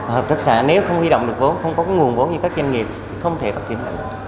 hợp tác xã nếu không huy động được vốn không có nguồn vốn như các doanh nghiệp thì không thể phát triển được